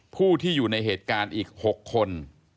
ผู้ที่อยู่ในเหตุการณ์อีก๖คน